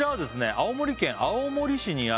「青森県青森市にある」